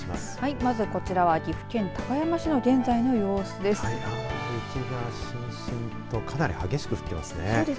まずこちらは岐阜県高山市の現在の様子です。